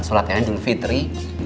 solat yang anjur fitri